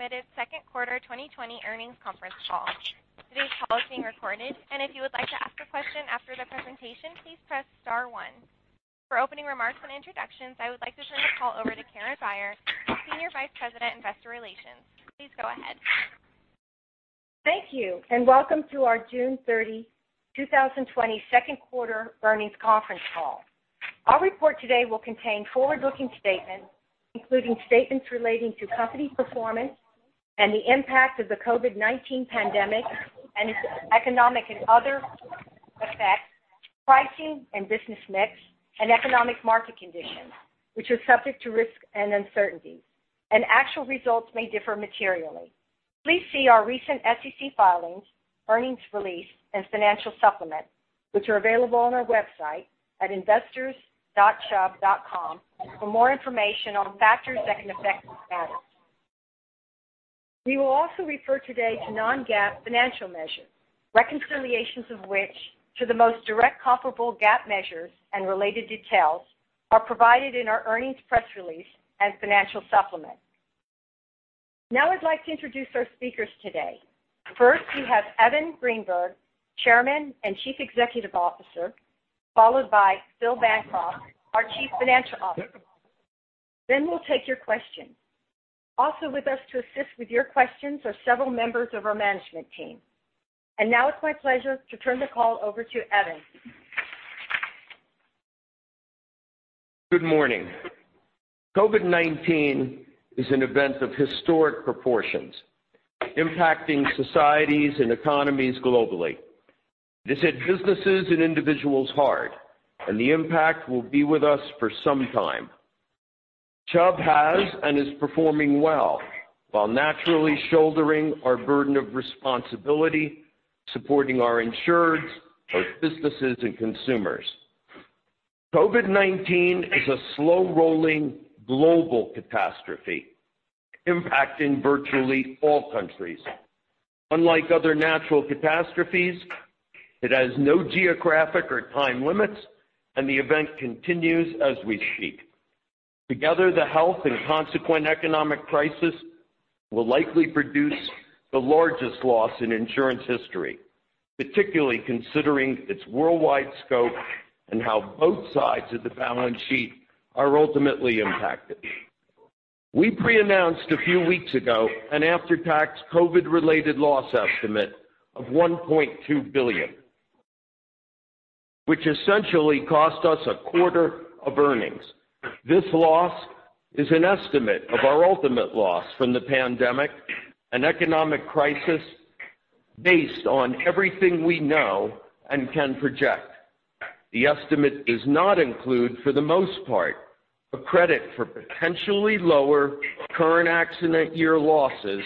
Good day, and welcome to the Chubb Limited Second Quarter 2020 Earnings Conference Call. Today's call is being recorded, and if you would like to ask a question after the presentation, please press star one. For opening remarks and introductions, I would like to turn the call over to Karen Beyer, Senior Vice President, Investor Relations. Please go ahead. Thank you. Welcome to our June 30, 2020 second quarter earnings conference call. Our report today will contain forward-looking statements, including statements relating to company performance and the impact of the COVID-19 pandemic and its economic and other effects, pricing and business mix, and economic market conditions, which are subject to risk and uncertainty. Actual results may differ materially. Please see our recent SEC filings, earnings release, and financial supplement, which are available on our website at investors.chubb.com for more information on factors that can affect these matters. We will also refer today to non-GAAP financial measures, reconciliations of which to the most direct comparable GAAP measures and related details are provided in our earnings press release and financial supplement. Now I'd like to introduce our speakers today. First, we have Evan Greenberg, Chairman and Chief Executive Officer, followed by Phil Bancroft, our Chief Financial Officer. We'll take your questions. Also with us to assist with your questions are several members of our management team. Now it's my pleasure to turn the call over to Evan. Good morning. COVID-19 is an event of historic proportions, impacting societies and economies globally. It hit businesses and individuals hard, and the impact will be with us for some time. Chubb has and is performing well while naturally shouldering our burden of responsibility, supporting our insureds, both businesses and consumers. COVID-19 is a slow-rolling global catastrophe impacting virtually all countries. Unlike other natural catastrophes, it has no geographic or time limits, and the event continues as we speak. Together, the health and consequent economic crisis will likely produce the largest loss in insurance history, particularly considering its worldwide scope and how both sides of the balance sheet are ultimately impacted. We pre-announced a few weeks ago an after-tax COVID-related loss estimate of $1.2 billion, which essentially cost us a quarter of earnings. This loss is an estimate of our ultimate loss from the pandemic and economic crisis based on everything we know and can project. The estimate does not include, for the most part, a credit for potentially lower current accident year losses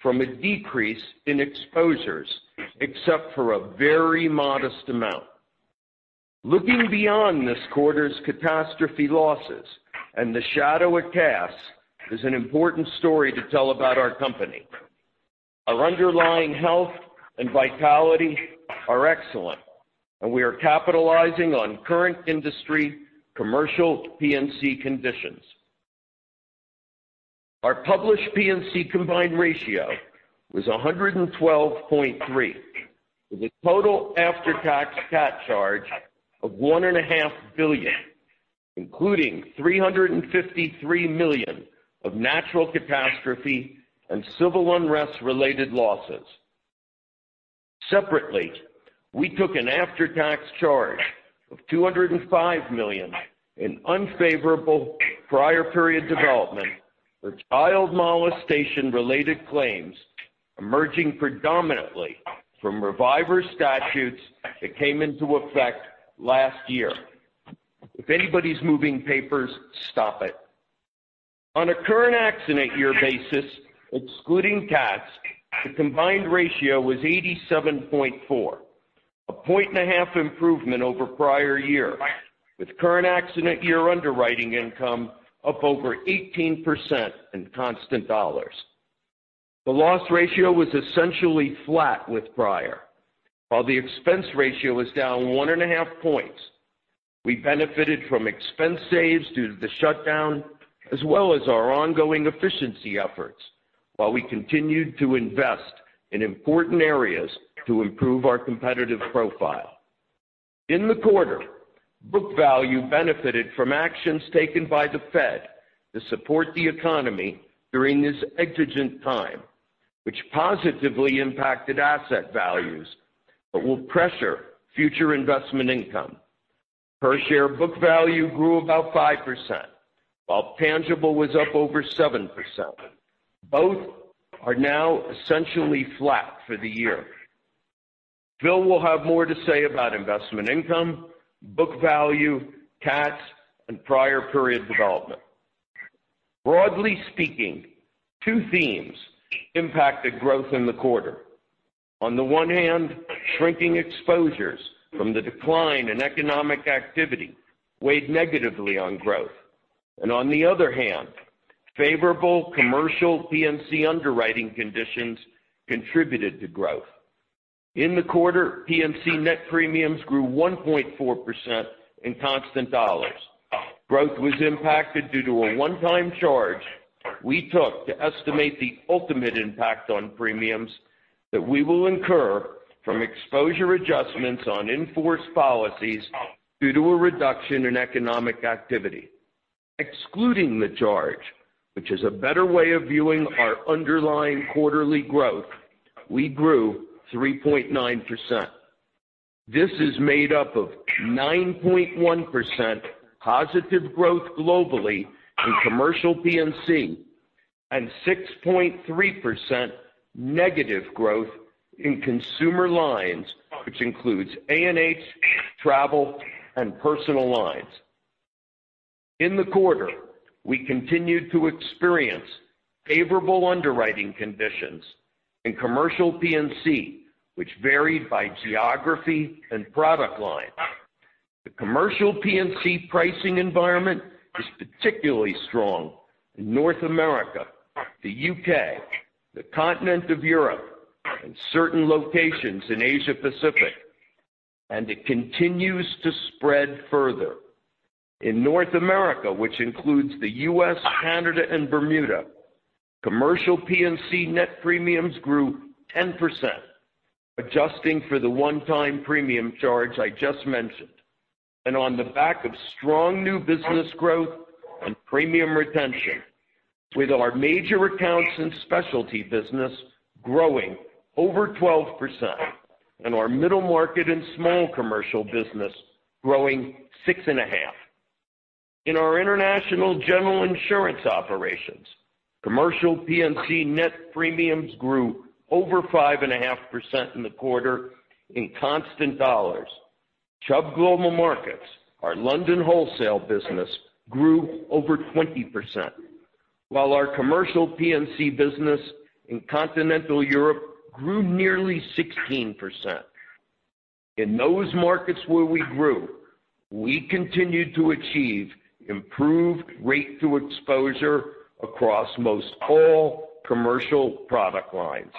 from a decrease in exposures, except for a very modest amount. Looking beyond this quarter's catastrophe losses and the shadow it casts is an important story to tell about our company. Our underlying health and vitality are excellent, and we are capitalizing on current industry commercial P&C conditions. Our published P&C combined ratio was 112.3% with a total after-tax CAT charge of $1.5 billion, including $353 million of natural catastrophe and civil unrest related losses. Separately, we took an after-tax charge of $205 million in unfavorable prior period development for child molestation related claims emerging predominantly from reviver statutes that came into effect last year. If anybody's moving papers, stop it. On a current accident year basis, excluding CATs, the combined ratio was 87.4%, 1.5 improvement over prior year, with current accident year underwriting income up over 18% in constant dollars. The loss ratio was essentially flat with prior, while the expense ratio was down 1.5 points. We benefited from expense saves due to the shutdown, as well as our ongoing efficiency efforts, while we continued to invest in important areas to improve our competitive profile. In the quarter, book value benefited from actions taken by the Fed to support the economy during this exigent time, which positively impacted asset values but will pressure future investment income. Per share book value grew about 5%, while tangible was up over 7%. Both are now essentially flat for the year. Phil will have more to say about investment income, book value, CATs, and prior period development. Broadly speaking, two themes impacted growth in the quarter. On the one hand, shrinking exposures from the decline in economic activity weighed negatively on growth. On the other hand, favorable commercial P&C underwriting conditions contributed to growth. In the quarter, P&C net premiums grew 1.4% in constant dollars. Growth was impacted due to a one-time charge we took to estimate the ultimate impact on premiums that we will incur from exposure adjustments on in-force policies due to a reduction in economic activity. Excluding the charge, which is a better way of viewing our underlying quarterly growth, we grew 3.9%. This is made up of 9.1% positive growth globally in commercial P&C and 6.3% negative growth in consumer lines, which includes A&H, travel, and personal lines. In the quarter, we continued to experience favorable underwriting conditions in commercial P&C, which varied by geography and product line. The commercial P&C pricing environment is particularly strong in North America, the U.K., the continent of Europe, and certain locations in Asia Pacific, and it continues to spread further. In North America, which includes the U.S., Canada, and Bermuda, commercial P&C net premiums grew 10%, adjusting for the one-time premium charge I just mentioned, and on the back of strong new business growth and premium retention, with our major accounts and specialty business growing over 12% and our middle market and small commercial business growing 6.5%. In our international General Insurance operations, commercial P&C net premiums grew over 5.5% in the quarter in constant dollars. Chubb Global Markets, our London wholesale business, grew over 20%, while our commercial P&C business in continental Europe grew nearly 16%. In those markets where we grew, we continued to achieve improved rate to exposure across most all commercial product lines.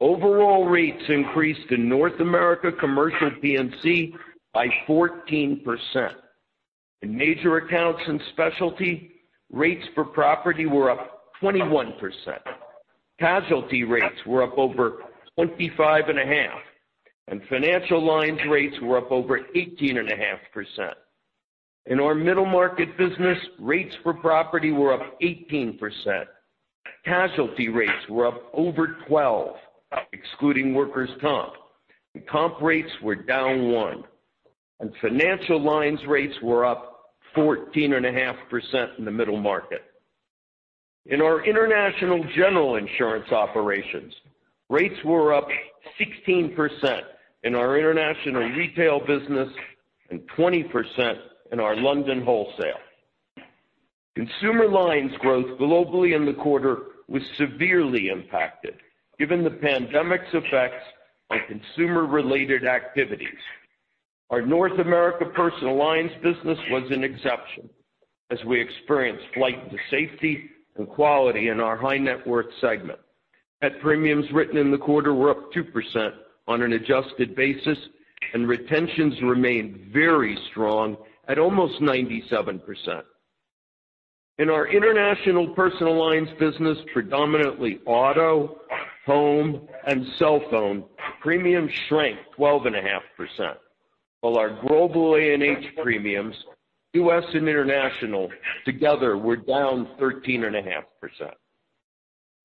Overall rates increased in North America commercial P&C by 14%. In major accounts and specialty, rates for property were up 21%. Casualty rates were up over 25.5%, and financial lines rates were up over 18.5%. In our middle market business, rates for property were up 18%. Casualty rates were up over 12%, excluding workers' comp. Comp rates were down 1%. Financial lines rates were up 14.5% in the middle market. In our international General Insurance operations, rates were up 16% in our international retail business and 20% in our London wholesale. Consumer lines growth globally in the quarter was severely impacted given the pandemic's effects on consumer-related activities. Our North America personal lines business was an exception, as we experienced flight to safety and quality in our high-net-worth segment. Net premiums written in the quarter were up 2% on an adjusted basis, and retentions remained very strong at almost 97%. In our international personal lines business, predominantly auto, home, and cellphone, premiums shrank 12.5%, while our global A&H premiums, U.S. and international together, were down 13.5%.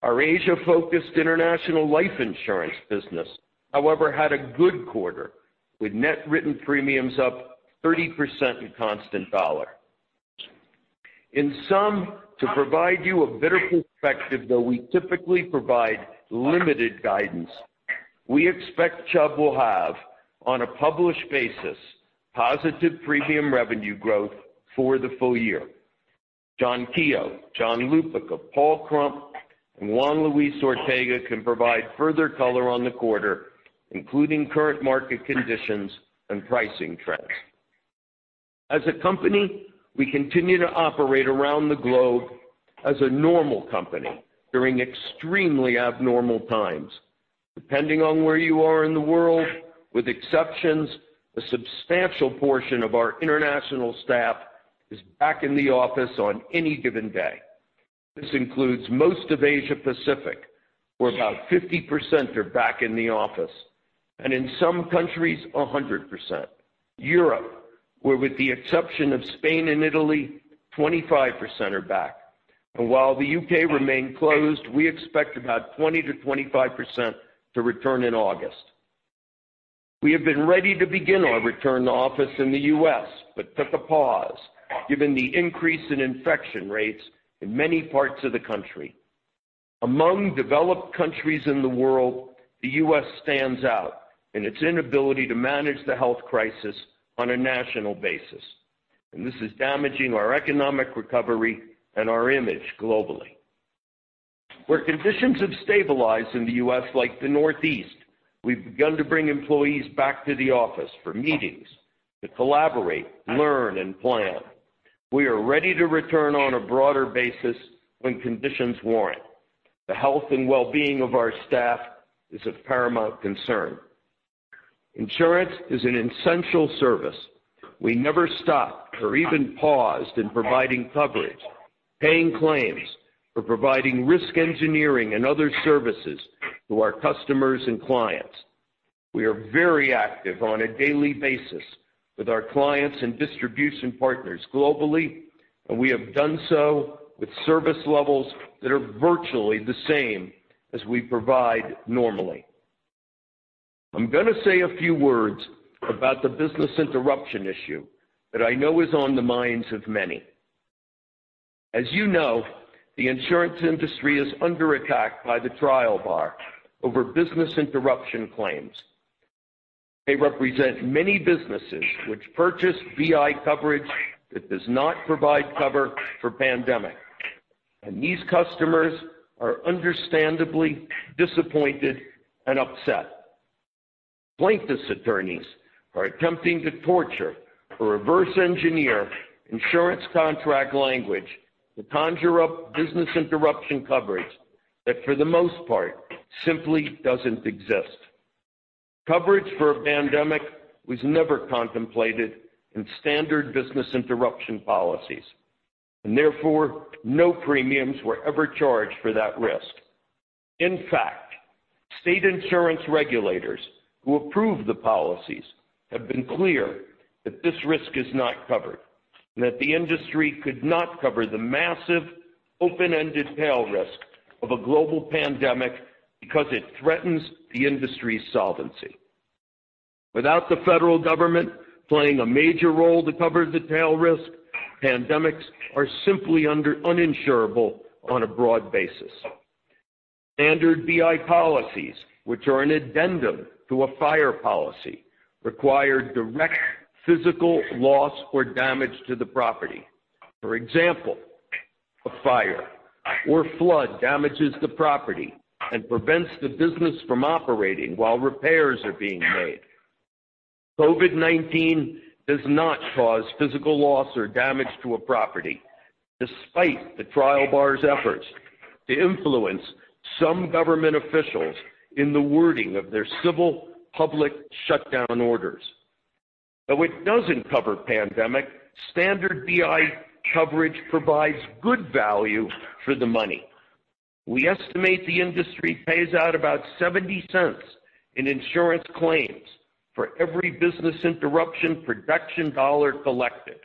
Our Asia-focused international life insurance business, however, had a good quarter, with net written premiums up 30% in constant dollar. In sum, to provide you a bit of perspective, though we typically provide limited guidance, we expect Chubb will have, on a published basis, positive premium revenue growth for the full year. John Keogh, John Lupica, Paul Krump, and Juan Luis Ortega can provide further color on the quarter, including current market conditions and pricing trends. As a company, we continue to operate around the globe as a normal company during extremely abnormal times. Depending on where you are in the world, with exceptions, a substantial portion of our international staff is back in the office on any given day. This includes most of Asia Pacific, where about 50% are back in the office, and in some countries, 100%. Europe, where with the exception of Spain and Italy, 25% are back. While the U.K. remain closed, we expect about 20%-25% to return in August. We have been ready to begin our return to office in the U.S., but took a pause given the increase in infection rates in many parts of the country. Among developed countries in the world, the U.S. stands out in its inability to manage the health crisis on a national basis. This is damaging our economic recovery and our image globally. Where conditions have stabilized in the U.S., like the Northeast, we've begun to bring employees back to the office for meetings, to collaborate, learn, and plan. We are ready to return on a broader basis when conditions warrant. The health and wellbeing of our staff is of paramount concern. Insurance is an essential service. We never stopped or even paused in providing coverage, paying claims, or providing risk engineering and other services to our customers and clients. We are very active on a daily basis with our clients and distribution partners globally. We have done so with service levels that are virtually the same as we provide normally. I'm going to say a few words about the business interruption issue that I know is on the minds of many. As you know, the insurance industry is under attack by the trial bar over business interruption claims. They represent many businesses which purchase BI coverage that does not provide cover for pandemic, and these customers are understandably disappointed and upset. Plaintiffs' attorneys are attempting to torture or reverse engineer insurance contract language to conjure up business interruption coverage that, for the most part, simply doesn't exist. Coverage for a pandemic was never contemplated in standard business interruption policies, and therefore, no premiums were ever charged for that risk. In fact, state insurance regulators who approved the policies have been clear that this risk is not covered, and that the industry could not cover the massive open-ended tail risk of a global pandemic because it threatens the industry's solvency. Without the federal government playing a major role to cover the tail risk, pandemics are simply uninsurable on a broad basis. Standard BI policies, which are an addendum to a fire policy, require direct physical loss or damage to the property. For example, a fire or flood damages the property and prevents the business from operating while repairs are being made. COVID-19 does not cause physical loss or damage to a property, despite the trial bar's efforts to influence some government officials in the wording of their civil public shutdown orders. Though it doesn't cover pandemic, standard BI coverage provides good value for the money. We estimate the industry pays out about $0.70 in insurance claims for every business interruption protection dollar collected,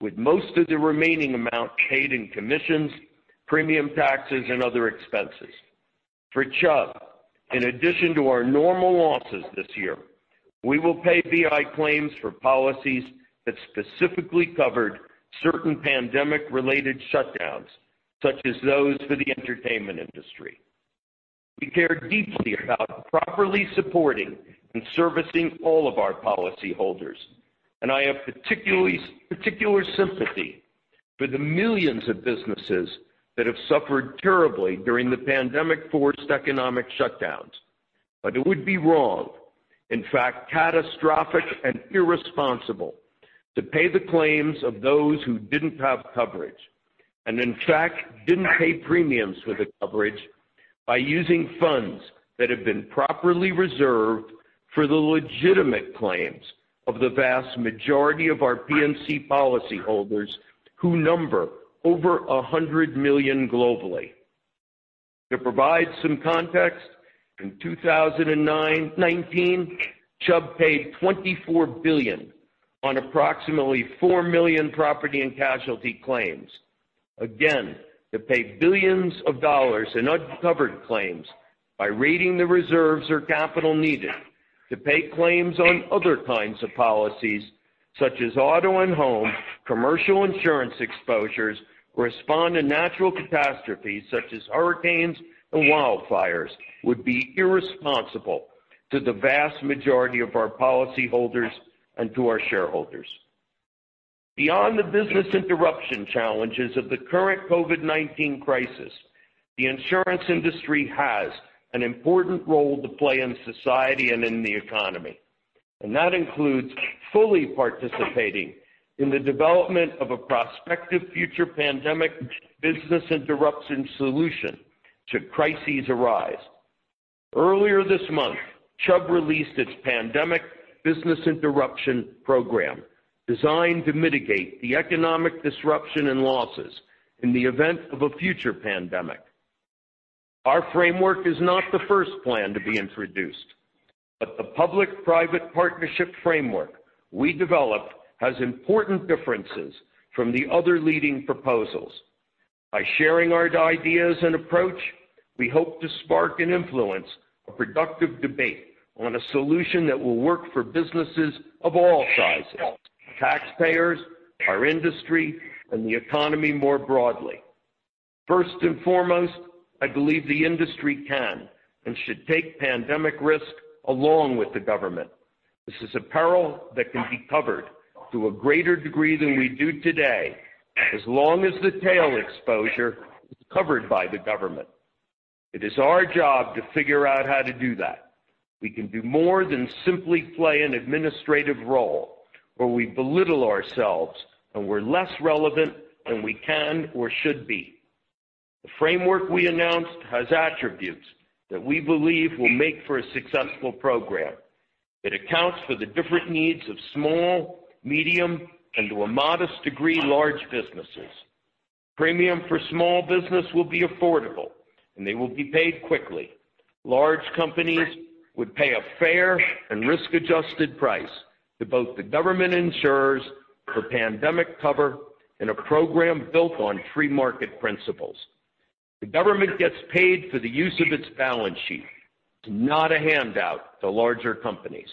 with most of the remaining amount paid in commissions, premium taxes, and other expenses. For Chubb, in addition to our normal losses this year, we will pay BI claims for policies that specifically covered certain pandemic-related shutdowns, such as those for the entertainment industry. We care deeply about properly supporting and servicing all of our policyholders, and I have particular sympathy for the millions of businesses that have suffered terribly during the pandemic-forced economic shutdowns. But it would be wrong, in fact, catastrophic and irresponsible, to pay the claims of those who didn't have coverage, and in fact, didn't pay premiums for the coverage by using funds that have been properly reserved for the legitimate claims of the vast majority of our P&C policyholders, who number over 100 million globally. To provide some context, in 2019, Chubb paid $24 billion on approximately 4 million property and casualty claims. Again, to pay billions of dollars in uncovered claims by raiding the reserves or capital needed to pay claims on other kinds of policies such as auto and home, commercial insurance exposures, or respond to natural catastrophes such as hurricanes and wildfires would be irresponsible to the vast majority of our policyholders and to our shareholders. Beyond the business interruption challenges of the current COVID-19 crisis, the insurance industry has an important role to play in society and in the economy. That includes fully participating in the development of a prospective future pandemic business interruption solution should crises arise. Earlier this month, Chubb released its pandemic business interruption program designed to mitigate the economic disruption and losses in the event of a future pandemic. Our framework is not the first plan to be introduced. The public-private partnership framework we developed has important differences from the other leading proposals. By sharing our ideas and approach, we hope to spark and influence a productive debate on a solution that will work for businesses of all sizes, taxpayers, our industry, and the economy more broadly. First and foremost, I believe the industry can and should take pandemic risk along with the government. This is a peril that can be covered to a greater degree than we do today as long as the tail exposure is covered by the government. It is our job to figure out how to do that. We can do more than simply play an administrative role where we belittle ourselves and we're less relevant than we can or should be. The framework we announced has attributes that we believe will make for a successful program. It accounts for the different needs of small, medium, and to a modest degree, large businesses. Premium for small business will be affordable, and they will be paid quickly. Large companies would pay a fair and risk-adjusted price to both the government insurers for pandemic cover and a program built on free market principles. The government gets paid for the use of its balance sheet. It's not a handout to larger companies.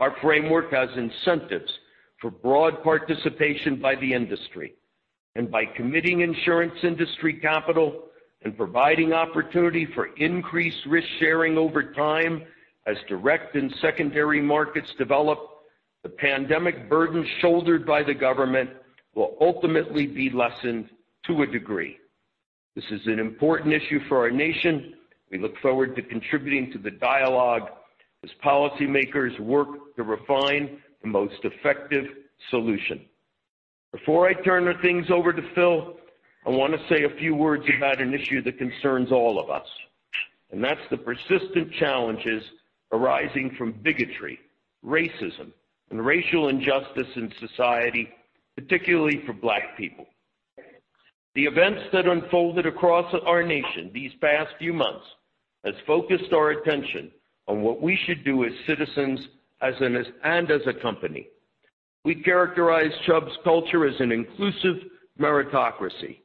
Our framework has incentives for broad participation by the industry, and by committing insurance industry capital and providing opportunity for increased risk sharing over time as direct and secondary markets develop, the pandemic burden shouldered by the government will ultimately be lessened to a degree. This is an important issue for our nation. We look forward to contributing to the dialogue as policymakers work to refine the most effective solution. Before I turn things over to Phil, I want to say a few words about an issue that concerns all of us, and that's the persistent challenges arising from bigotry, racism, and racial injustice in society, particularly for Black people. The events that unfolded across our nation these past few months has focused our attention on what we should do as citizens and as a company. We characterize Chubb's culture as an inclusive meritocracy.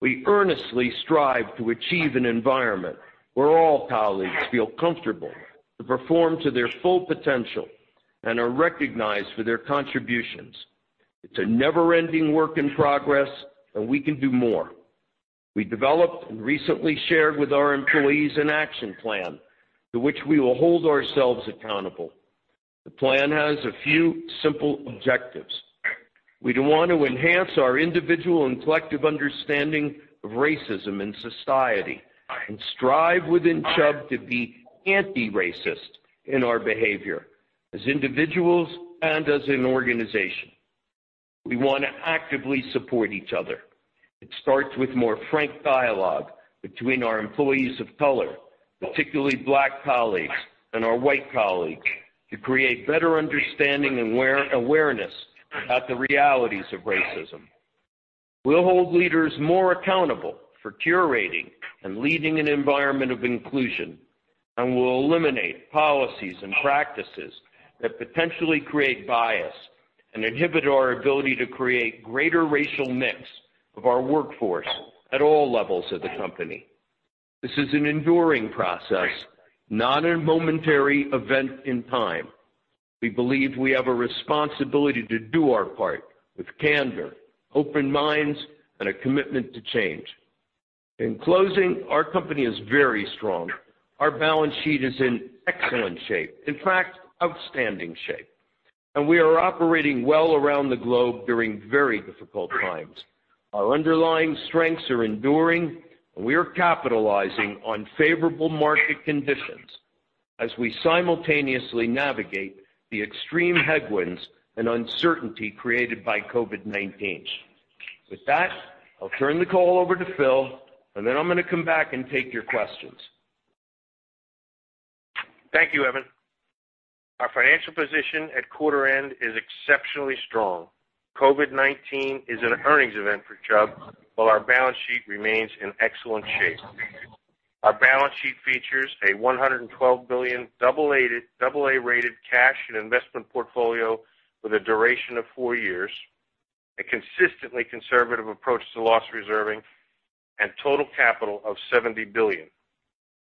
We earnestly strive to achieve an environment where all colleagues feel comfortable to perform to their full potential and are recognized for their contributions. It's a never-ending work in progress, and we can do more. We developed and recently shared with our employees an action plan to which we will hold ourselves accountable. The plan has a few simple objectives. We want to enhance our individual and collective understanding of racism in society and strive within Chubb to be anti-racist in our behavior as individuals and as an organization. We want to actively support each other. It starts with more frank dialogue between our employees of color, particularly Black colleagues and our White colleagues, to create better understanding and awareness about the realities of racism. We'll hold leaders more accountable for curating and leading an environment of inclusion, and we'll eliminate policies and practices that potentially create bias and inhibit our ability to create greater racial mix of our workforce at all levels of the company. This is an enduring process, not a momentary event in time. We believe we have a responsibility to do our part with candor, open minds, and a commitment to change. In closing, our company is very strong. Our balance sheet is in excellent shape. In fact, outstanding shape. We are operating well around the globe during very difficult times. Our underlying strengths are enduring, and we are capitalizing on favorable market conditions as we simultaneously navigate the extreme headwinds and uncertainty created by COVID-19. With that, I'll turn the call over to Phil, and then I'm going to come back and take your questions. Thank you, Evan. Our financial position at quarter end is exceptionally strong. COVID-19 is an earnings event for Chubb, while our balance sheet remains in excellent shape. Our balance sheet features a $112 billion AA-rated cash and investment portfolio with a duration of four years, a consistently conservative approach to loss reserving, and total capital of $70 billion.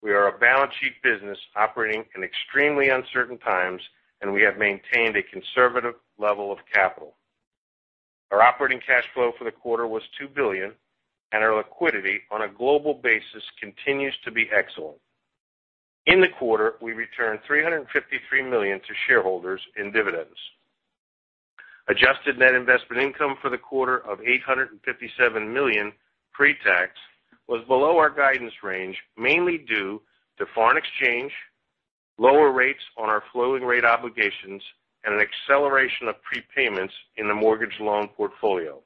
We are a balance sheet business operating in extremely uncertain times, and we have maintained a conservative level of capital. Our operating cash flow for the quarter was $2 billion, and our liquidity on a global basis continues to be excellent. In the quarter, we returned $353 million to shareholders in dividends. Adjusted net investment income for the quarter of $857 million pre-tax was below our guidance range, mainly due to foreign exchange, lower rates on our floating rate obligations, and an acceleration of prepayments in the mortgage loan portfolio.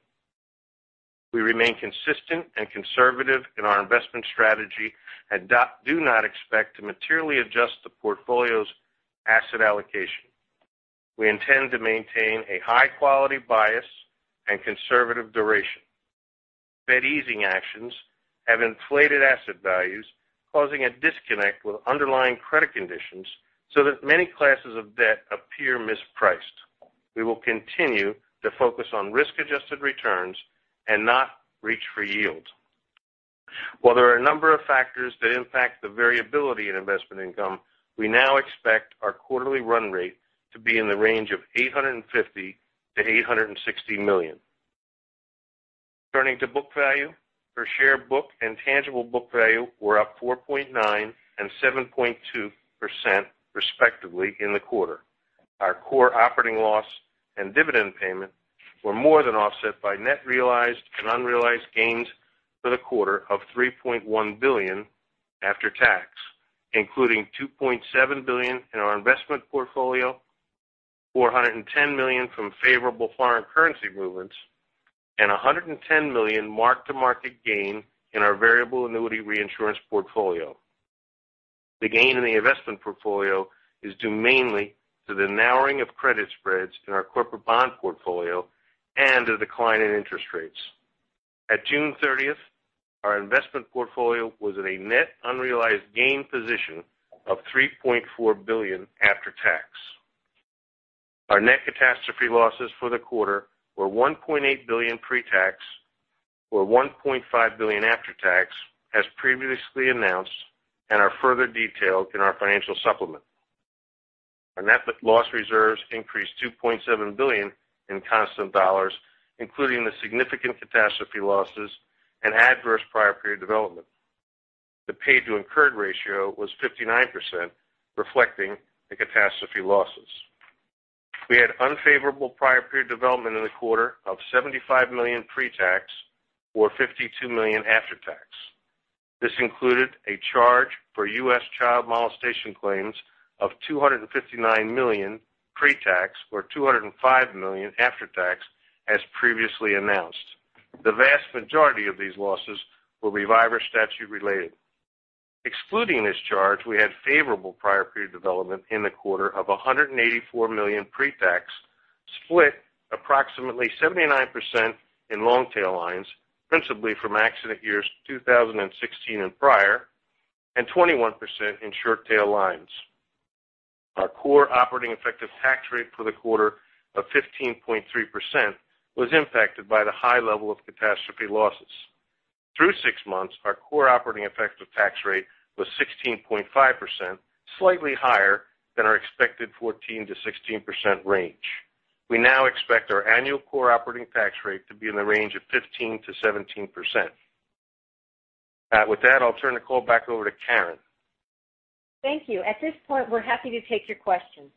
We remain consistent and conservative in our investment strategy and do not expect to materially adjust the portfolio's asset allocation. We intend to maintain a high quality bias and conservative duration. Fed easing actions have inflated asset values, causing a disconnect with underlying credit conditions so that many classes of debt appear mispriced. We will continue to focus on risk-adjusted returns and not reach for yield. While there are a number of factors that impact the variability in investment income, we now expect our quarterly run rate to be in the range of $850 million-$860 million. Turning to book value. Per share book and tangible book value were up 4.9% and 7.2% respectively in the quarter. Our core operating loss and dividend payment were more than offset by net realized and unrealized gains for the quarter of $3.1 billion after tax, including $2.7 billion in our investment portfolio, $410 million from favorable foreign currency movements, and $110 million mark-to-market gain in our variable annuity reinsurance portfolio. The gain in the investment portfolio is due mainly to the narrowing of credit spreads in our corporate bond portfolio and the decline in interest rates. At June 30th, our investment portfolio was at a net unrealized gain position of $3.4 billion after tax. Our net catastrophe losses for the quarter were $1.8 billion pre-tax or $1.5 billion after tax, as previously announced, and are further detailed in our financial supplement. Our net loss reserves increased $2.7 billion in constant dollars, including the significant catastrophe losses and adverse prior period development. The paid to incurred ratio was 59%, reflecting the catastrophe losses. We had unfavorable prior period development in the quarter of $75 million pre-tax or $52 million after tax. This included a charge for U.S. child molestation claims of $259 million pre-tax or $205 million after tax, as previously announced. The vast majority of these losses will be statute-related. Excluding this charge, we had favorable prior period development in the quarter of $184 million pre-tax, split approximately 79% in long-tail lines, principally from accident years 2016 and prior, and 21% in short-tail lines. Our core operating effective tax rate for the quarter of 15.3% was impacted by the high level of catastrophe losses. Through six months, our core operating effective tax rate was 16.5%, slightly higher than our expected 14%-16% range. We now expect our annual core operating tax rate to be in the range of 15%-17%. With that, I'll turn the call back over to Karen. Thank you. At this point, we're happy to take your questions.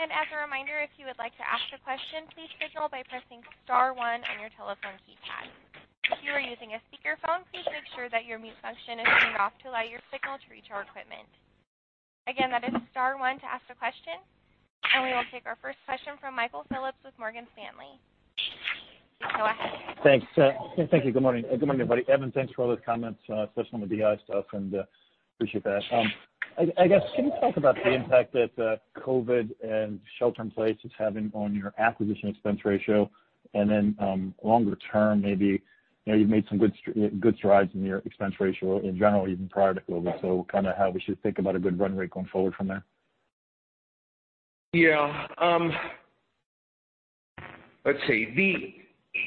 As a reminder, if you would like to ask a question, please signal by pressing star one on your telephone keypad. If you are using a speakerphone, please make sure that your mute function is turned off to allow your signal to reach our equipment. Again, that is star one to ask a question. We will take our first question from Michael Phillips with Morgan Stanley. Please go ahead. Thanks. Thank you. Good morning, everybody. Evan, thanks for all those comments, especially on the BI stuff, and appreciate that. I guess, can you talk about the impact that COVID and shelter in place is having on your acquisition expense ratio and then longer term, maybe you've made some good strides in your expense ratio in general, even prior to COVID, so how we should think about a good run rate going forward from there? Yeah. Let's see.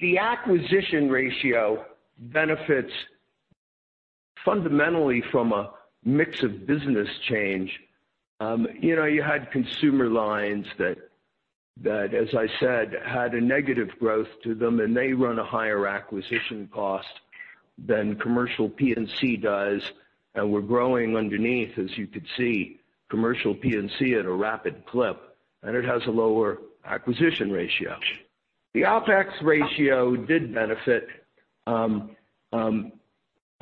The acquisition ratio benefits fundamentally from a mix of business change. You had consumer lines that, as I said, had a negative growth to them, and they run a higher acquisition cost than commercial P&C does. We're growing underneath, as you could see, commercial P&C at a rapid clip, and it has a lower acquisition ratio. The OpEx ratio did benefit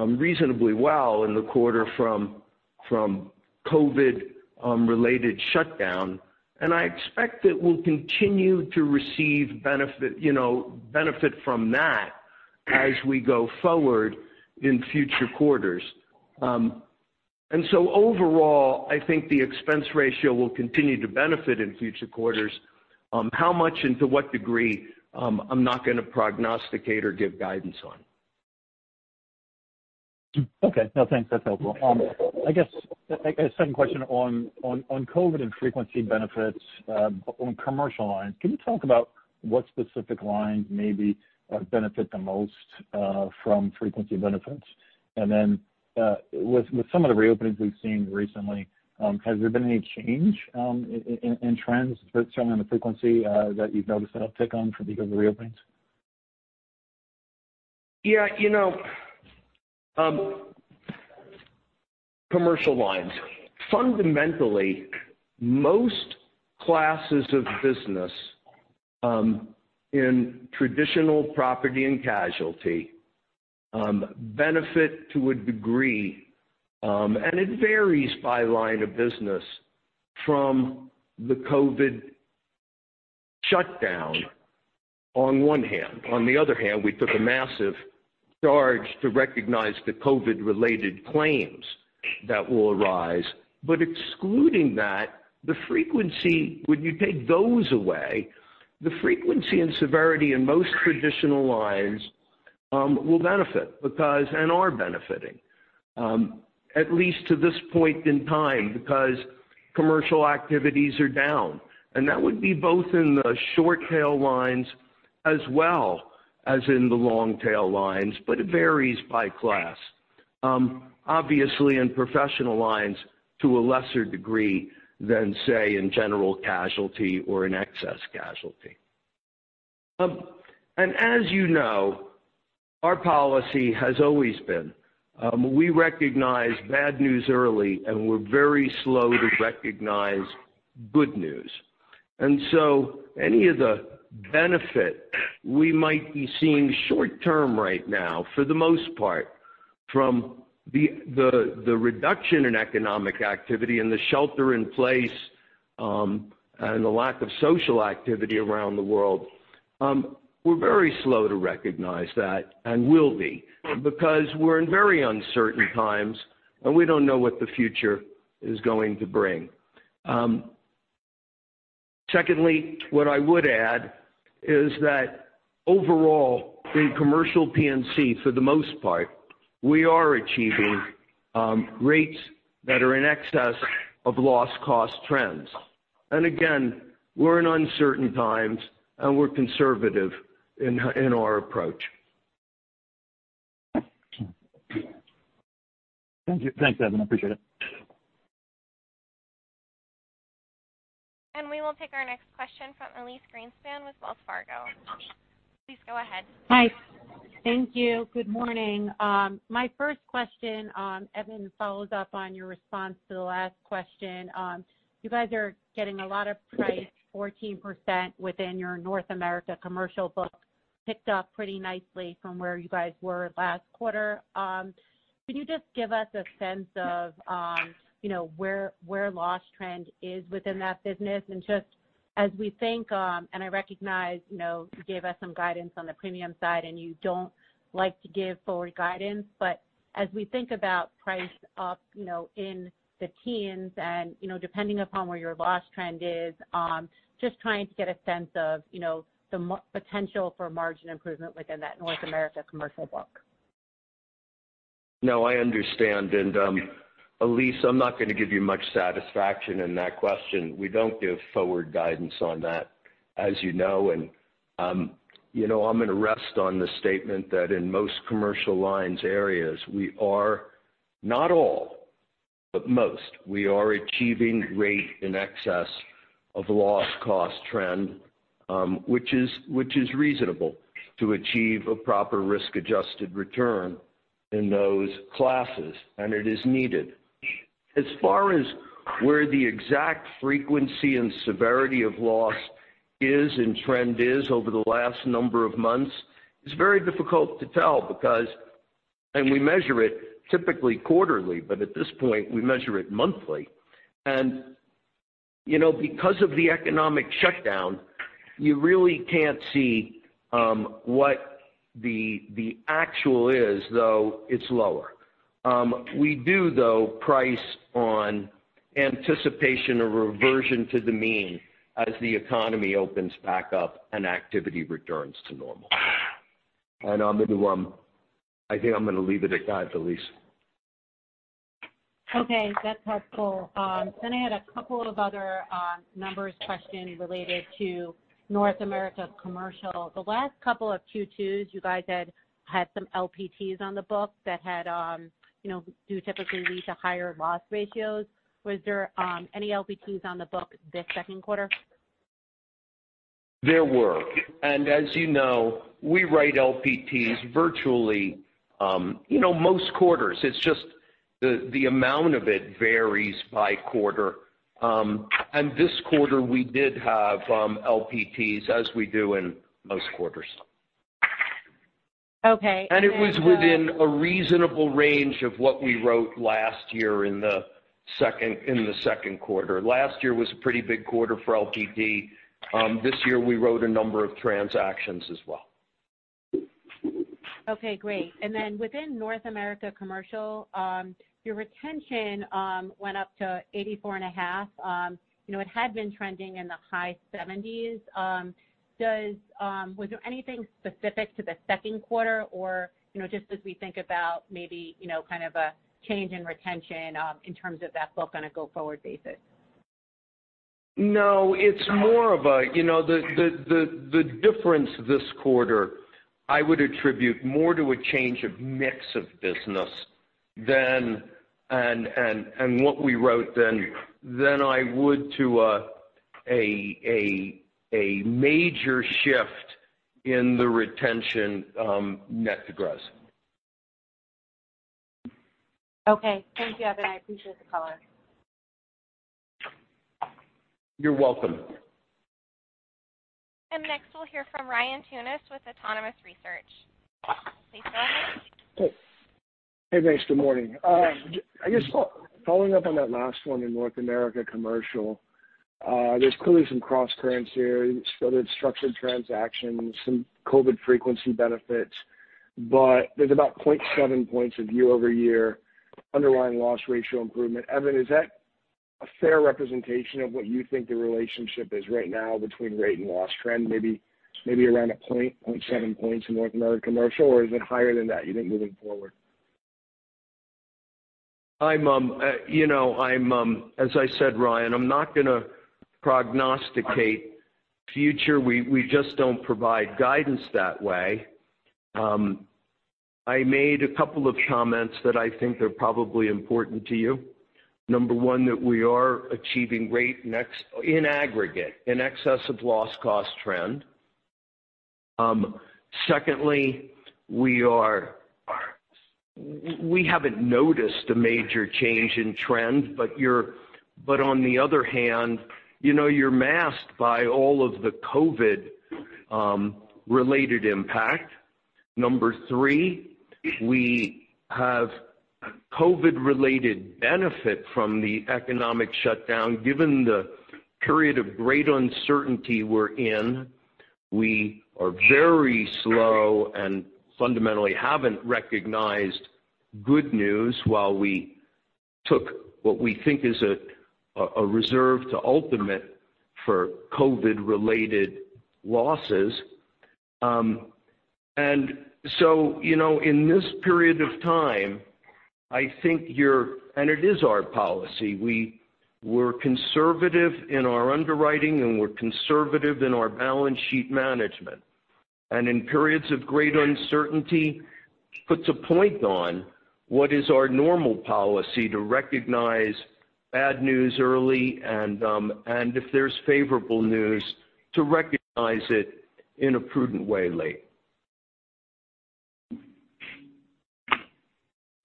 reasonably well in the quarter from COVID-related shutdown, and I expect it will continue to receive benefit from that as we go forward in future quarters. Overall, I think the expense ratio will continue to benefit in future quarters. How much and to what degree, I'm not going to prognosticate or give guidance on. Okay. No, thanks. That's helpful. I guess a second question on COVID and frequency benefits on commercial lines. Can you talk about what specific lines maybe benefit the most from frequency benefits? With some of the reopenings we've seen recently, has there been any change in trends certainly on the frequency that you've noticed an uptick on because of the reopenings? Yeah. Commercial lines. Fundamentally, most classes of business in traditional property and casualty benefit to a degree, and it varies by line of business from the COVID shutdown on one hand. On the other hand, we took a massive charge to recognize the COVID-related claims that will arise. Excluding that, when you take those away, the frequency and severity in most traditional lines will benefit because, and are benefiting, at least to this point in time, because commercial activities are down. That would be both in the short tail lines as well as in the long tail lines, but it varies by class. Obviously in professional lines to a lesser degree than, say, in general casualty or in excess casualty. As you know, our policy has always been, we recognize bad news early and we're very slow to recognize good news. Any of the benefit we might be seeing short-term right now, for the most part, from the reduction in economic activity and the shelter in place, and the lack of social activity around the world, we're very slow to recognize that and will be, because we're in very uncertain times, and we don't know what the future is going to bring. Secondly, what I would add is that overall, in Commercial P&C, for the most part, we are achieving rates that are in excess of loss cost trends. Again, we're in uncertain times, and we're conservative in our approach. Thank you. Thanks, Evan. Appreciate it. We will take our next question from Elyse Greenspan with Wells Fargo. Please go ahead. Hi. Thank you. Good morning. My first question, Evan, follows up on your response to the last question. You guys are getting a lot of price, 14% within your North America Commercial book, picked up pretty nicely from where you guys were last quarter. Can you just give us a sense of where loss trend is within that business? Just as we think, and I recognize you gave us some guidance on the premium side, and you don't like to give forward guidance, but as we think about price up in the teens and depending upon where your loss trend is, just trying to get a sense of the potential for margin improvement within that North America Commercial book. No, I understand. Elyse, I'm not going to give you much satisfaction in that question. We don't give forward guidance on that, as you know. I'm going to rest on the statement that in most commercial lines areas we are, not all, but most, we are achieving rate in excess of loss cost trend, which is reasonable to achieve a proper risk-adjusted return in those classes, and it is needed. As far as where the exact frequency and severity of loss is and trend is over the last number of months, it's very difficult to tell because we measure it typically quarterly, but at this point, we measure it monthly. Because of the economic shutdown, you really can't see what the actual is, though it's lower. We do, though, price on anticipation or reversion to the mean as the economy opens back up and activity returns to normal. I think I'm going to leave it at that, Elyse. Okay, that's helpful. I had a couple of other numbers questions related to North America Commercial. The last couple of Q2s, you guys had some LPTs on the book that do typically lead to higher loss ratios. Was there any LPTs on the book this second quarter? There were. As you know, we write LPTs virtually most quarters. It's just the amount of it varies by quarter. This quarter, we did have LPTs as we do in most quarters. Okay. It was within a reasonable range of what we wrote last year in the second quarter. Last year was a pretty big quarter for LPT. This year, we wrote a number of transactions as well. Okay, great. Within North America Commercial, your retention went up to 84.5%. It had been trending in the high 70s. Was there anything specific to the second quarter or just as we think about maybe kind of a change in retention in terms of that book on a go-forward basis? No. The difference this quarter I would attribute more to a change of mix of business and what I wrote then, than I would to a major shift in the retention net to gross. Okay. Thank you, Evan. I appreciate the color. You're welcome. Next, we'll hear from Ryan Tunis with Autonomous Research. Please go ahead. Hey. Hey, guys. Good morning. I guess following up on that last one in North America Commercial, there's clearly some cross currents here, whether it's structured transactions, some COVID frequency benefits, but there's about 0.7 points of year-over-year underlying loss ratio improvement. Evan, is that a fair representation of what you think the relationship is right now between rate and loss trend? Maybe around a point, 0.7 points in North America Commercial, or is it higher than that, you think, moving forward? As I said, Ryan, I'm not going to prognosticate future. We just don't provide guidance that way. I made a couple of comments that I think are probably important to you. Number one, that we are achieving rate in aggregate, in excess of loss cost trend. Secondly, we haven't noticed a major change in trend, but on the other hand, you're masked by all of the COVID-related impact. Number three, we have COVID-related benefit from the economic shutdown, given the period of great uncertainty we're in. We are very slow and fundamentally haven't recognized good news while we took what we think is a reserve to ultimate for COVID-related losses. In this period of time, it is our policy. We're conservative in our underwriting, and we're conservative in our balance sheet management. In periods of great uncertainty, puts a point on what is our normal policy to recognize bad news early and, if there's favorable news, to recognize it in a prudent way late.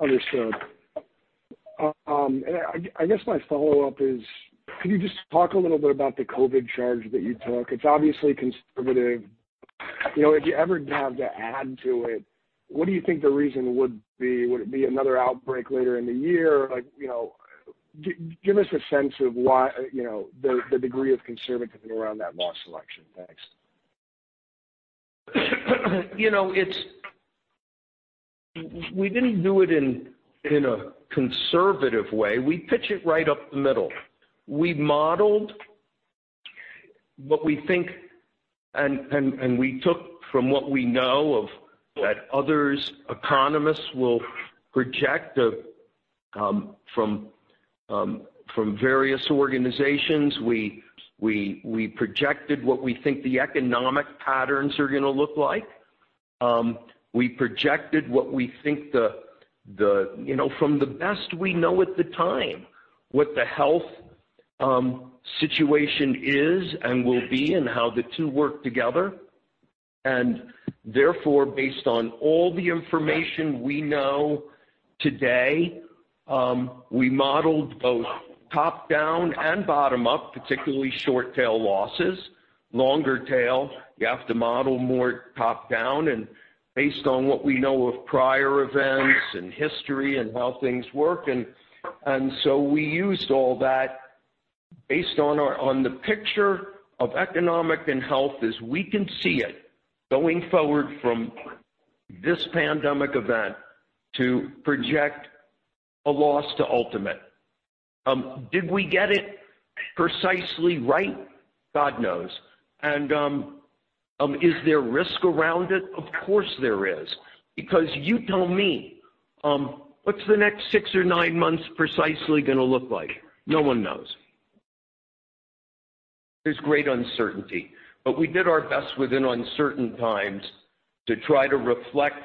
Understood. I guess my follow-up is, could you just talk a little bit about the COVID charge that you took? It's obviously conservative. If you ever have to add to it, what do you think the reason would be? Would it be another outbreak later in the year? Give us a sense of the degree of conservatism around that loss selection. Thanks. We didn't do it in a conservative way. We pitch it right up the middle. We modeled what we think, and we took from what we know of what other economists will project from various organizations. We projected what we think the economic patterns are going to look like. We projected what we think, from the best we know at the time, what the health situation is and will be and how the two work together. Therefore, based on all the information we know today, we modeled both top-down and bottom-up, particularly short-tail losses. Longer tail, you have to model more top-down and based on what we know of prior events and history and how things work. So we used all that based on the picture of economic and health as we can see it going forward from this pandemic event to project a loss to ultimate. Did we get it precisely right? God knows. Is there risk around it? Of course there is, because you tell me, what's the next six or nine months precisely going to look like? No one knows. There's great uncertainty. We did our best within uncertain times to try to reflect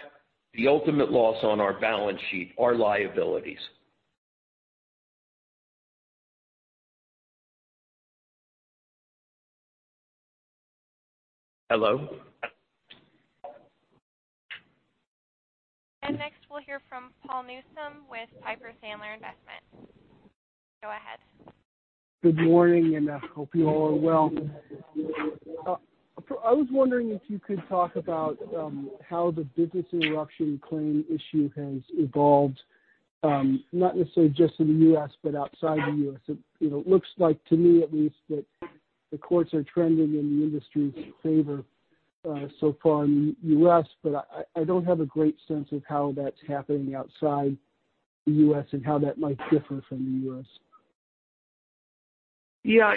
the ultimate loss on our balance sheet, our liabilities. Hello? Next, we'll hear from Paul Newsome with Piper Sandler Investment. Go ahead. Good morning. I hope you all are well. I was wondering if you could talk about how the business interruption claim issue has evolved, not necessarily just in the U.S., but outside the U.S. It looks like, to me at least, that the courts are trending in the industry's favor so far in the U.S., but I don't have a great sense of how that's happening outside the U.S., and how that might differ from the U.S.? Yeah.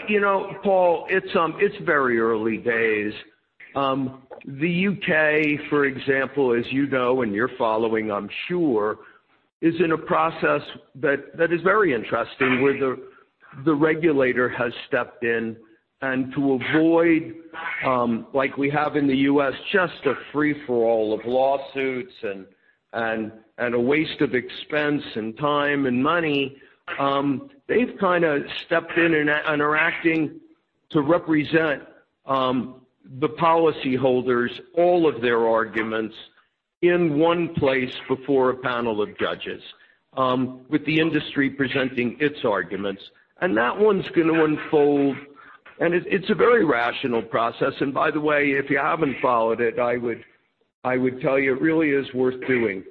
Paul, it's very early days. The U.K., for example, as you know, and you're following, I'm sure, is in a process that is very interesting, where the regulator has stepped in and to avoid, like we have in the U.S., just a free for all of lawsuits and a waste of expense and time and money. They've kind of stepped in and are acting to represent the policy holders, all of their arguments in one place before a panel of judges with the industry presenting its arguments. That one's going to unfold, and it's a very rational process. By the way, if you haven't followed it, I would tell you it really is worth doing.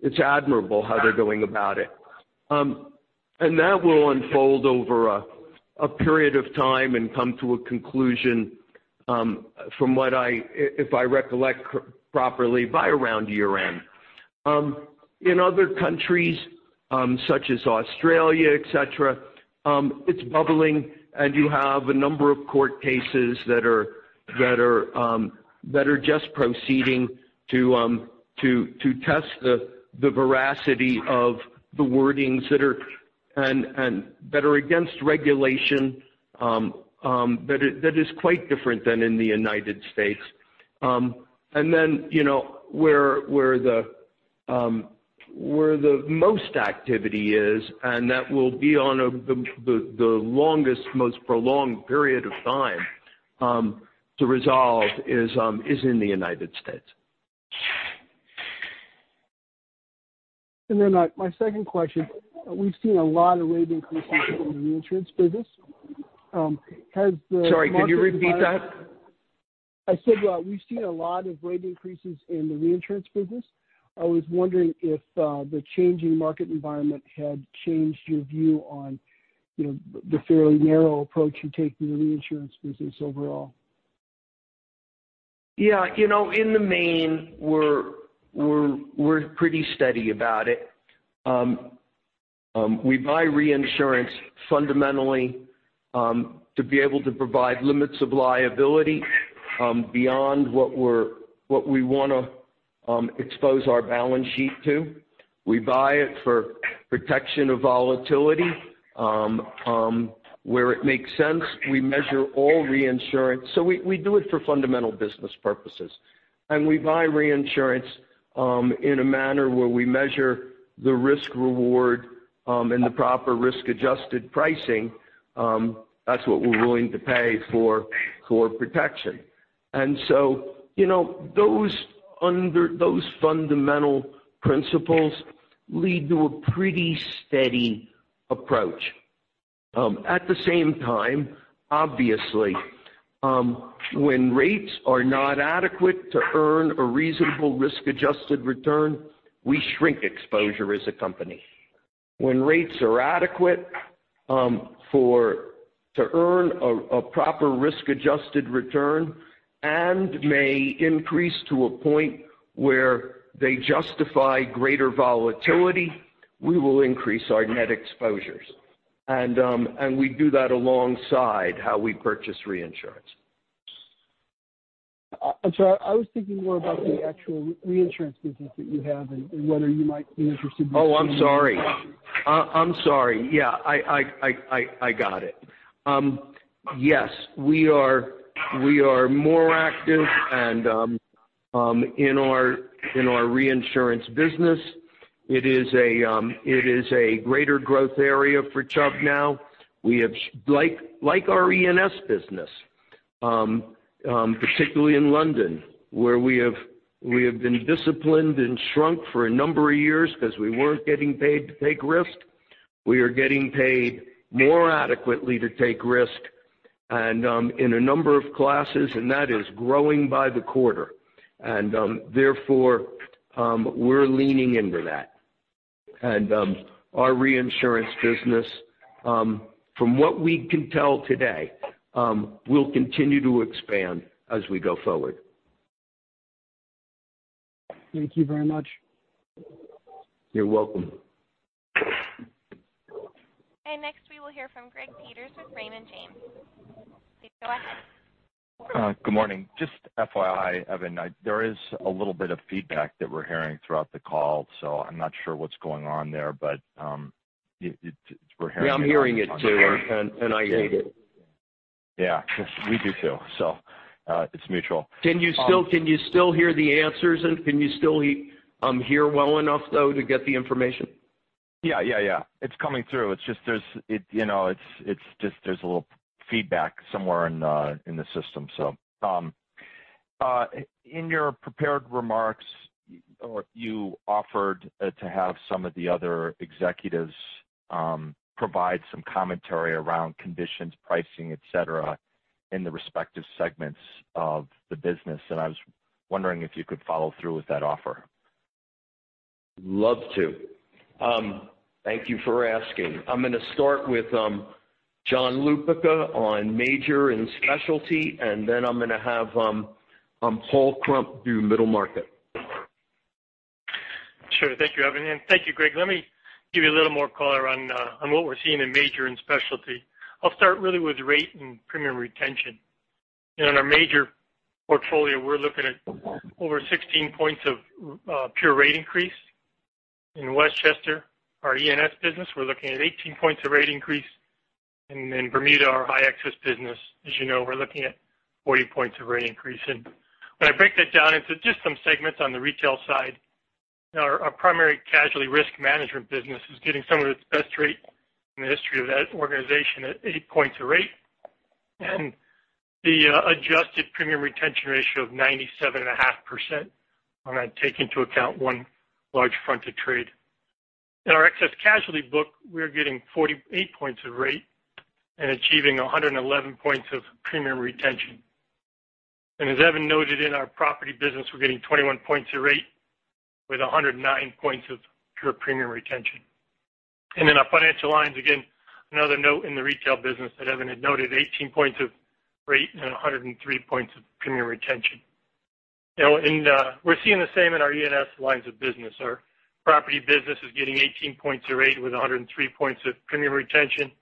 It's admirable how they're going about it. That will unfold over a period of time and come to a conclusion, if I recollect properly, by around year-end. In other countries such as Australia, et cetera, it's bubbling, and you have a number of court cases that are just proceeding to test the veracity of the wordings that are against regulation. That is quite different than in the United States. Then where the most activity is, and that will be on the longest, most prolonged period of time to resolve is in the United States. My second question, we've seen a lot of rate increases in the reinsurance business. Has the market environment. Sorry, could you repeat that? I said we've seen a lot of rate increases in the reinsurance business. I was wondering if the changing market environment had changed your view on the fairly narrow approach you take in the reinsurance business overall. Yeah. In the main, we're pretty steady about it. We buy reinsurance fundamentally to be able to provide limits of liability beyond what we want to expose our balance sheet to. We buy it for protection of volatility. Where it makes sense, we measure all reinsurance. We do it for fundamental business purposes, and we buy reinsurance in a manner where we measure the risk-reward and the proper risk-adjusted pricing. That's what we're willing to pay for protection. Those fundamental principles lead to a pretty steady approach. At the same time, obviously, when rates are not adequate to earn a reasonable risk-adjusted return, we shrink exposure as a company. When rates are adequate to earn a proper risk-adjusted return and may increase to a point where they justify greater volatility, we will increase our net exposures. We do that alongside how we purchase reinsurance. I'm sorry. I was thinking more about the actual reinsurance business that you have and whether you might be interested in seeing. I'm sorry. I'm sorry. I got it. We are more active and in our reinsurance business, it is a greater growth area for Chubb now. Like our E&S business, particularly in London, where we have been disciplined and shrunk for a number of years because we weren't getting paid to take risk. We are getting paid more adequately to take risk and in a number of classes, that is growing by the quarter. Therefore, we're leaning into that. Our reinsurance business from what we can tell today will continue to expand as we go forward. Thank you very much. You're welcome. Next, we will hear from Greg Peters with Raymond James. Please go ahead. Good morning. Just FYI, Evan, there is a little bit of feedback that we're hearing throughout the call, so I'm not sure what's going on there, but we're hearing it on our end. Yeah, I'm hearing it too, and I hate it. Yeah, we do too, so it's mutual. Can you still hear the answers and can you still hear well enough though, to get the information? Yeah. It's coming through. It's just there's a little feedback somewhere in the system. In your prepared remarks, you offered to have some of the other executives provide some commentary around conditions, pricing, et cetera, in the respective segments of the business, and I was wondering if you could follow through with that offer? Love to. Thank you for asking. I'm going to start with John Lupica on major and specialty, and then I'm going to have Paul Krump do middle market. Sure. Thank you, Evan, and thank you, Greg. Let me give you a little more color on what we're seeing in major and specialty. I'll start really with rate and premium retention. In our major portfolio, we're looking at over 16 points of pure rate increase. In Westchester, our E&S business, we're looking at 18 points of rate increase. In Bermuda, our high excess business, as you know, we're looking at 40 points of rate increase. When I break that down into just some segments on the retail side, our primary casualty risk management business is getting some of its best rates in the history of that organization at 8 points a rate, and the adjusted premium retention ratio of 97.5%, and I take into account one large fronted trade. In our excess casualty book, we are getting 48 points of rate and achieving 111 points of premium retention. As Evan noted in our property business, we're getting 21 points of rate with 109 points of pure premium retention. In our financial lines, again, another note in the retail business that Evan had noted, 18 points of rate and 103 points of premium retention. We're seeing the same in our E&S lines of business. Our property business is getting 18 points of rate with 103 points of premium retention.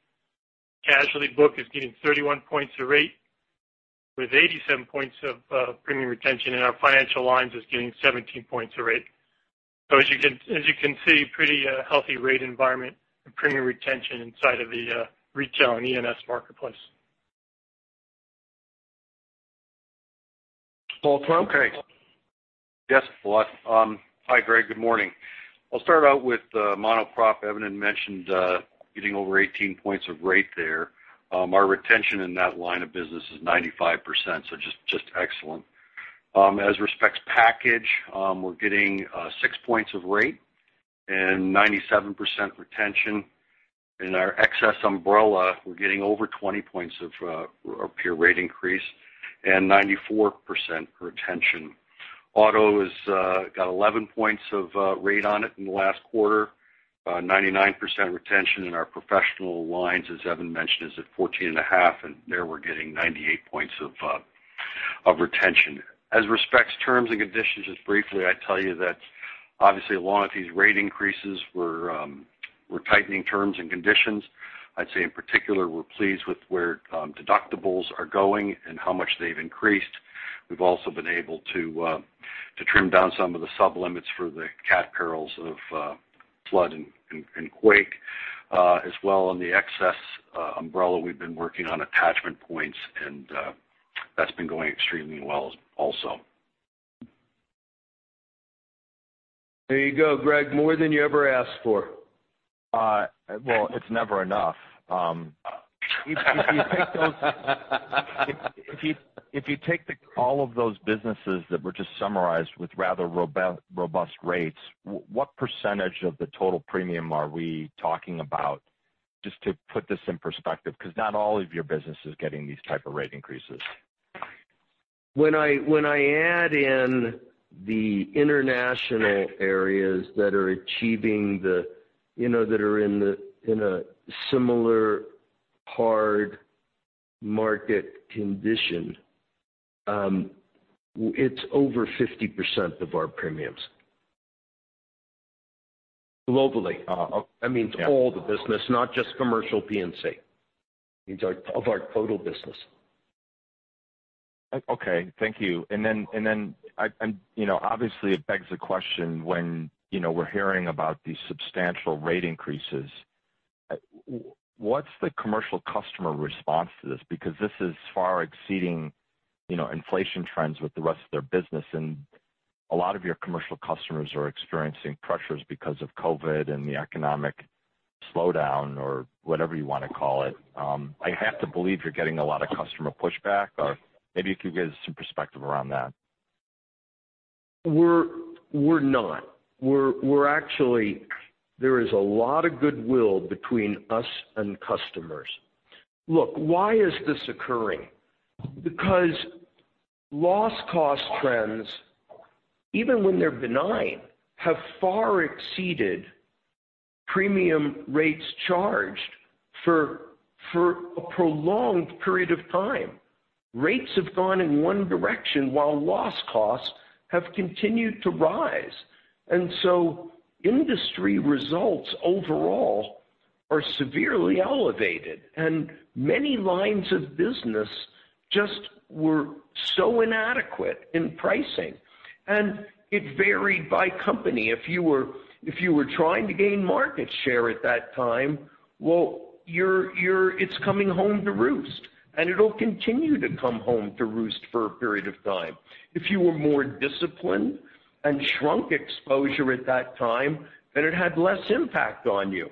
Casualty book is getting 31 points of rate with 87 points of premium retention. In our financial lines is getting 17 points of rate. As you can see, pretty healthy rate environment and premium retention inside of the retail and E&S marketplace. Paul Krump? Okay. Yes, Paul here. Hi, Greg. Good morning. I'll start out with the mono prop Evan had mentioned, getting over 18 points of rate there. Our retention in that line of business is 95%, so just excellent. As respects package, we're getting 6 points of rate and 97% retention. In our excess umbrella, we're getting over 20 points of pure rate increase and 94% retention. Auto has got 11 points of rate on it in the last quarter, 99% retention. In our professional lines, as Evan mentioned, is at 14.5%, and there we're getting 98 points of retention. As respects terms and conditions, just briefly, I tell you that obviously a lot of these rate increases, we're tightening terms and conditions. I'd say in particular, we're pleased with where deductibles are going and how much they've increased. We've also been able to trim down some of the sub-limits for the CAT perils of flood and quake. As well, on the excess umbrella, we've been working on attachment points, and that's been going extremely well also. There you go, Greg, more than you ever asked for. Well, it's never enough. If you take all of those businesses that were just summarized with rather robust rates, what percentage of the total premium are we talking about? Just to put this in perspective, because not all of your business is getting these type of rate increases. When I add in the international areas that are achieving that are in a similar hard market condition, it's over 50% of our premiums. Globally. I mean all the business, not just commercial P&C. Means of our total business. Okay, thank you. Obviously it begs the question when we're hearing about these substantial rate increases, what's the commercial customer response to this? Because this is far exceeding inflation trends with the rest of their business, and a lot of your commercial customers are experiencing pressures because of COVID and the economic slowdown or whatever you want to call it. I have to believe you're getting a lot of customer pushback. Maybe you could give some perspective around that. We're not. We're actually, there is a lot of goodwill between us and customers. Look, why is this occurring? Because loss cost trends, even when they're benign, have far exceeded premium rates charged for a prolonged period of time. Rates have gone in one direction while loss costs have continued to rise. Industry results overall are severely elevated, and many lines of business just were so inadequate in pricing. It varied by company. If you were trying to gain market share at that time, well, it's coming home to roost, and it'll continue to come home to roost for a period of time. If you were more disciplined and shrunk exposure at that time, then it had less impact on you.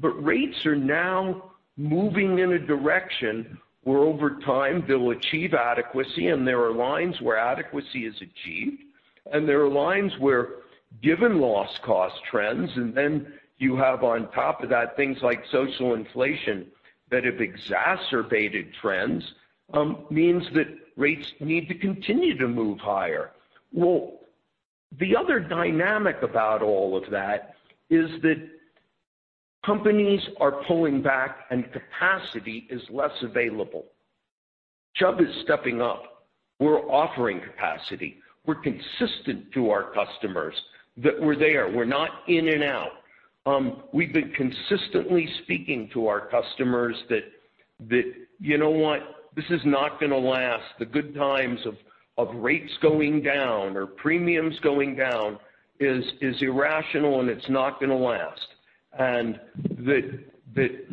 Rates are now moving in a direction where over time, they'll achieve adequacy, and there are lines where adequacy is achieved, and there are lines where given loss cost trends, and then you have on top of that, things like social inflation that have exacerbated trends, means that rates need to continue to move higher. The other dynamic about all of that is that companies are pulling back and capacity is less available. Chubb is stepping up. We're offering capacity. We're consistent to our customers that we're there. We're not in and out. We've been consistently speaking to our customers that, you know what? This is not going to last. The good times of rates going down or premiums going down is irrational, and it's not going to last. That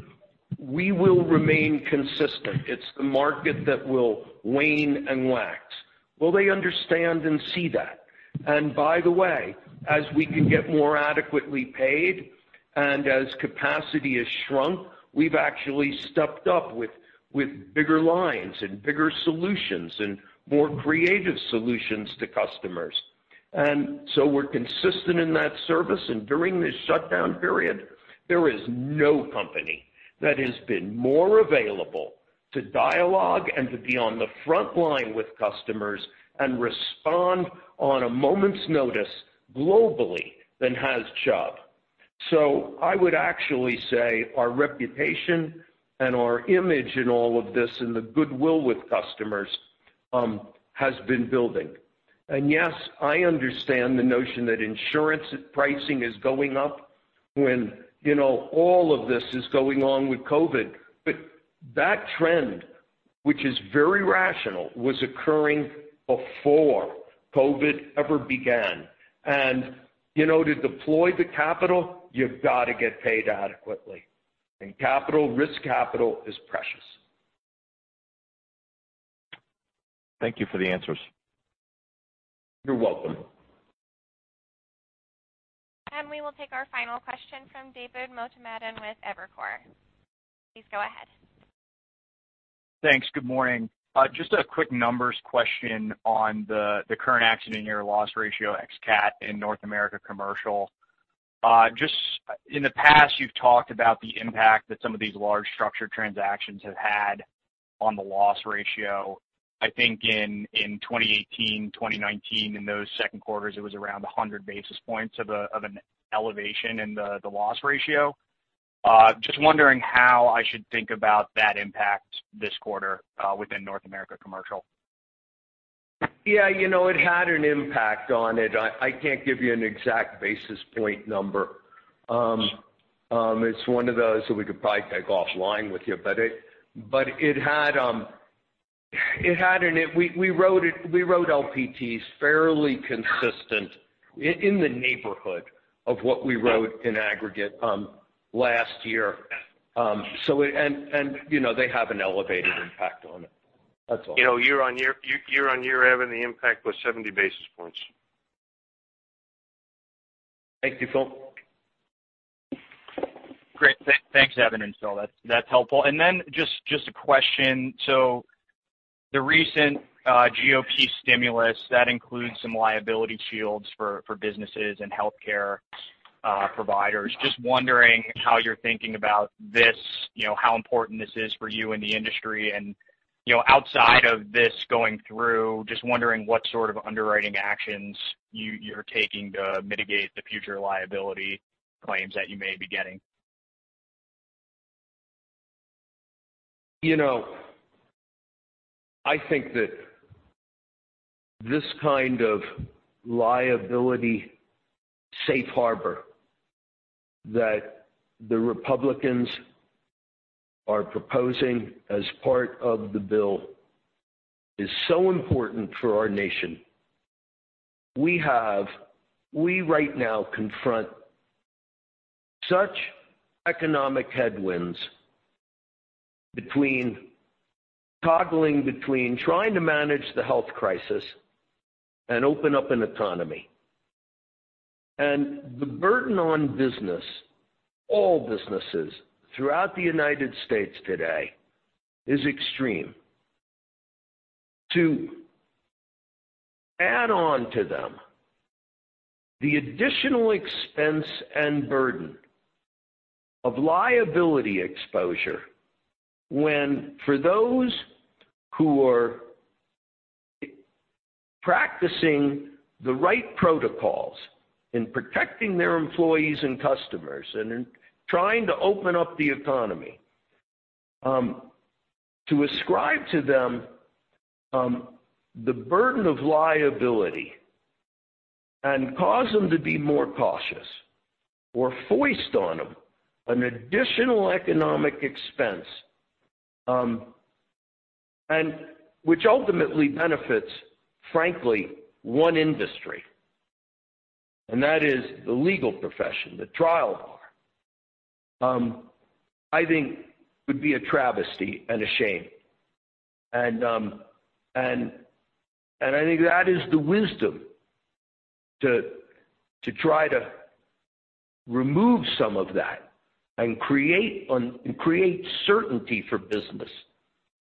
we will remain consistent. It's the market that will wane and wax. Well, they understand and see that. By the way, as we can get more adequately paid and as capacity has shrunk, we've actually stepped up with bigger lines and bigger solutions and more creative solutions to customers. We're consistent in that service. During this shutdown period, there is no company that has been more available to dialogue and to be on the front line with customers and respond on a moment's notice globally than has Chubb. I would actually say our reputation and our image in all of this and the goodwill with customers has been building. Yes, I understand the notion that insurance pricing is going up when all of this is going on with COVID. That trend, which is very rational, was occurring before COVID ever began. To deploy the capital, you've got to get paid adequately. Risk capital is precious. Thank you for the answers. You're welcome. We will take our final question from David Motemaden with Evercore. Please go ahead. Thanks. Good morning. A quick numbers question on the current accident year loss ratio ex-CAT in North America commercial. In the past, you've talked about the impact that some of these large structured transactions have had on the loss ratio. I think in 2018, 2019, in those second quarters, it was around 100 basis points of an elevation in the loss ratio. Wondering how I should think about that impact this quarter within North America commercial. Yeah, it had an impact on it. I can't give you an exact basis point number. It's one of those that we could probably take offline with you, but we wrote LPTs fairly consistently in the neighborhood of what we wrote in aggregate last year. They have an elevated impact on it. That's all. Year-on-year having the impact was 70 basis points. Thank you, Phil. Great. Thanks, Evan and Phil, that's helpful. Just a question, so the recent GOP stimulus, that includes some liability shields for businesses and healthcare providers. Just wondering how you're thinking about this, how important this is for you and the industry and, outside of this going through, just wondering what sort of underwriting actions you're taking to mitigate the future liability claims that you may be getting. I think that this kind of liability safe harbor that the Republicans are proposing as part of the bill is so important for our nation. We right now confront such economic headwinds between toggling between trying to manage the health crisis and open up an economy. The burden on business, all businesses throughout the United States today is extreme. To add on to them the additional expense and burden of liability exposure when for those who are practicing the right protocols in protecting their employees and customers and in trying to open up the economy, to ascribe to them the burden of liability and cause them to be more cautious or foist on them an additional economic expense, which ultimately benefits, frankly, one industry, and that is the legal profession, the trial bar, I think would be a travesty and a shame. I think that is the wisdom to try to remove some of that and create certainty for business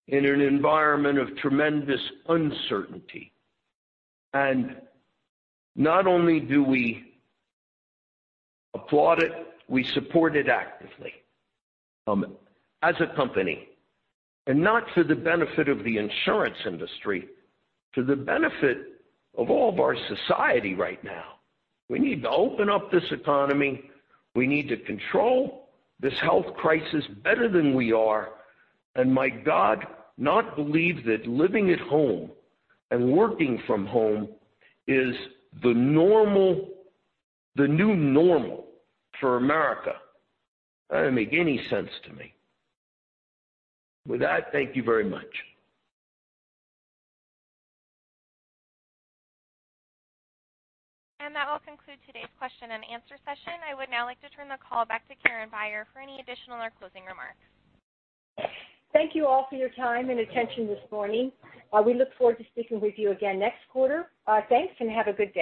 in an environment of tremendous uncertainty. Not only do we applaud it, we support it actively as a company, not for the benefit of the insurance industry, to the benefit of all of our society right now. We need to open up this economy. We need to control this health crisis better than we are. My God, not believe that living at home and working from home is the new normal for America. That doesn't make any sense to me. With that, thank you very much. That will conclude today's question and answer session. I would now like to turn the call back to Karen Beyer for any additional or closing remarks. Thank you all for your time and attention this morning. We look forward to speaking with you again next quarter. Thanks. Have a good day.